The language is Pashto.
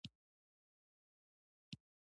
زه د وطن د پرمختګ لپاره هره ورځ هڅه کوم.